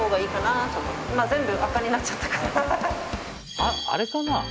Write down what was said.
あっあれかな？